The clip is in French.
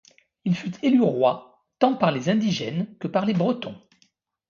Il fut élu roi, tant par les indigènes que par les Bretons.